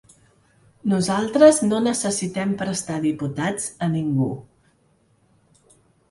Nosaltres no necessitem prestar diputats a ningú.